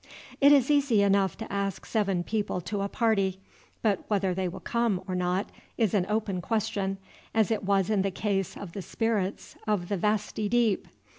It is easy enough to ask seven people to a party; but whether they will come or not is an open question, as it was in the case of the spirits of the vasty deep.